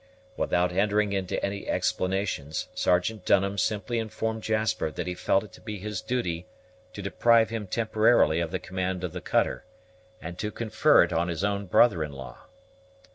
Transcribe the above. Without entering into any explanations, Sergeant Dunham simply informed Jasper that he felt it to be his duty to deprive him temporarily of the command of the cutter, and to confer it on his own brother in law.